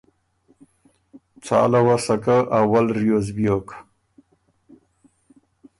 څاله وه سکه اول ریوز بیوک۔